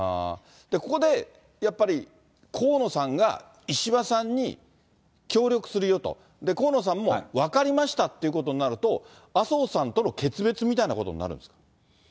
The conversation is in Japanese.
ここでやっぱり河野さんが石破さんに協力するよと、河野さんも分かりましたっていうことになると、麻生さんとの決別みたいなことになるんですか。